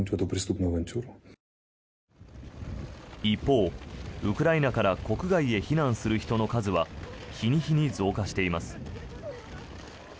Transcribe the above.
一方、ウクライナから国外へ避難する人の数は日に日に増加しています。